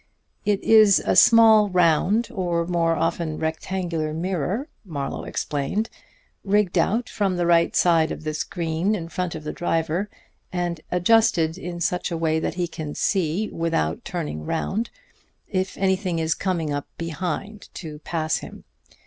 "It is a small round or more often rectangular mirror," Marlowe explained, "rigged out from the right side of the screen in front of the driver, and adjusted in such a way that he can see, without turning round, if anything is coming up behind to pass him.